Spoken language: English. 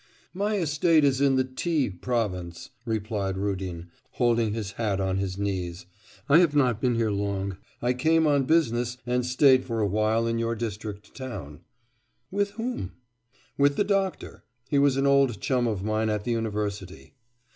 'My estate is in the T province,' replied Rudin, holding his hat on his knees. 'I have not been here long. I came on business and stayed for a while in your district town.' 'With whom?' 'With the doctor. He was an old chum of mine at the university.